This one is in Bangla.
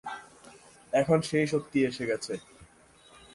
এখন সেই শক্তি এসে গেছে।